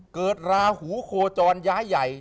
ราหูโคจรย้ายใหญ่